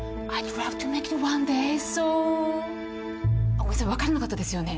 あっごめんなさい分からなかったですよね？